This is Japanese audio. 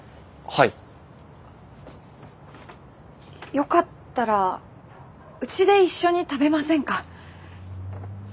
よかったらうちで一緒に食べませんか？